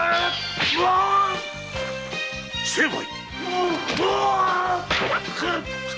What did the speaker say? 成敗！